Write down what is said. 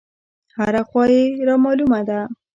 هره خوا يې رامالومه ده.